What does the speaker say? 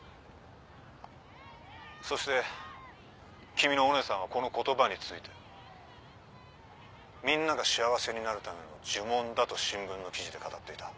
そして君のお姉さんはこの言葉について「みんなが幸せになるための呪文」だと新聞の記事で語っていた。